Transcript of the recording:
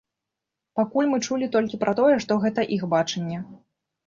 Пакуль мы чулі толькі пра тое, што гэта іх бачанне.